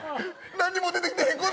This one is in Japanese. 何も出てきてへん